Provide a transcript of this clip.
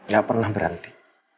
gak pernah berhenti